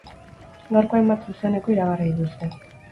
Gaurko hainbat zuzeneko iragarri dituzte.